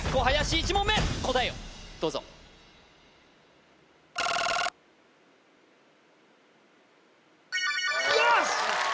１問目答えをどうぞよし！